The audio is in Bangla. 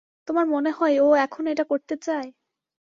তোমার মনে হয় ও এখনও এটা করতে চায়?